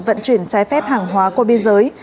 vận chuyển trái phép hàng hóa qua biên giới